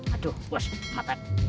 aduh bos matanya